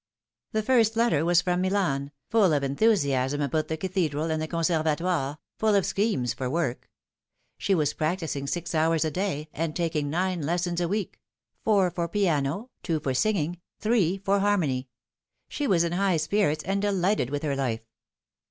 The first letter was from Milan, full of enthusiasm about the Cathedral and the Conservatoire, full of schemes for work. She was practising six hours a day, and * .wMr> nine lessons a week four for piano, two for singing, thr^ *or harmony. She was in high spirits, and delighted with her life.